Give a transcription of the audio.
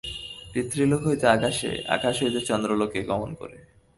পিতৃলোক হইতে আকাশে, আকাশ হইতে চন্দ্রলোকে গমন করে।